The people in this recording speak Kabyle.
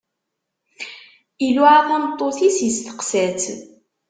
Iluɛa tameṭṭut-is, iseqsa-tt.